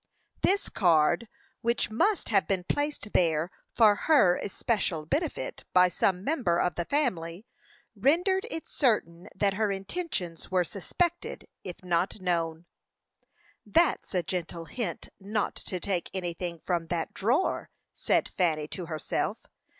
This card, which must have been placed there for her especial benefit by some member of the family, rendered it certain that her intentions were suspected, if not known. "That's a gentle hint not to take anything from that drawer," said Fanny to herself.